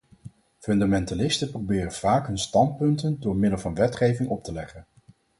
Fundamentalisten proberen vaak hun standpunten door middel van wetgeving op te leggen.